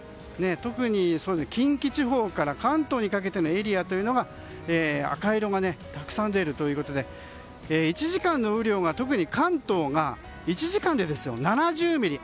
特に近畿地方から関東にかけてのエリアというのが赤色がたくさん出るということで１時間の雨量、特に関東が７０ミリ。